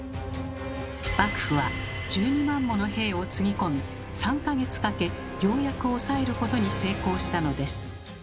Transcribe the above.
幕府は１２万もの兵をつぎ込み３か月かけようやく抑えることに成功したのです。